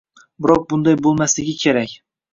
Biroq bunday bo‘lmasligi kerak!